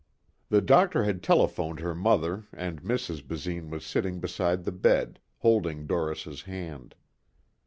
The doctor had telephoned her mother and Mrs. Basine was sitting beside the bed holding Doris' hand.